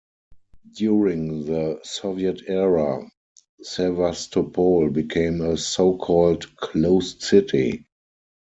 During the Soviet era, Sevastopol became a so-called "closed city".